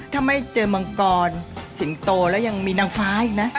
ถ้าไม่เจอมังกรสิงโตแล้วยังมีนางฟ้าอีกนะ